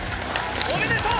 おめでとう！